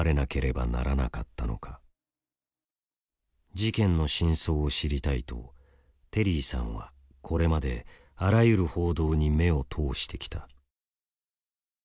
事件の真相を知りたいとテリーさんはこれまであらゆる報道に目を通してきた。